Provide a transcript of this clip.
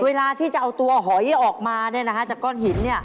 เวลาที่จะเอาตัวหอยออกมาจากก้อนหิน